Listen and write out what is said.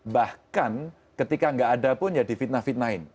bahkan ketika gak ada pun ya di fitnah fitnahin